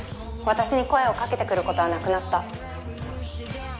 私に声をかけてくることはなくなった。